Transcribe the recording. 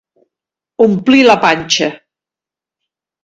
Omplir la panxa.